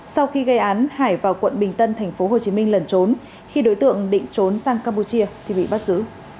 sau khi gây án hải vào quận bình tân tp hcm lần trốn khi đối tượng định trốn sang campuchia thì bị bắt giữ